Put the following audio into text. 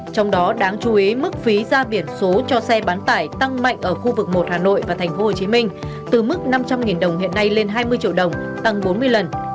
trong đó đáng chú ý mức phí ra biển số cho xe bán tải tăng mạnh ở khu vực một hà nội và tp hcm từ mức năm trăm linh đồng hiện nay lên hai mươi triệu đồng tăng bốn mươi lần